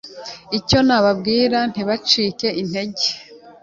Icyo nababwira ntibacike intege,